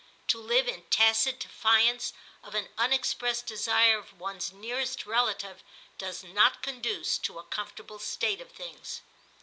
To live in tacit defiance of an unexpressed desire of one's nearest relative does not conduce to a com fortable state of things.